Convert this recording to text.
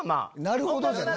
なるほど。